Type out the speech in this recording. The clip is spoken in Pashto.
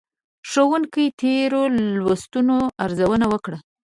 ښوونکي تېرو لوستونو ارزونه وکړه.